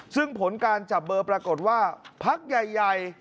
ซึ่งผลการจับเบอร์ปรากฏว่าพักใหญ่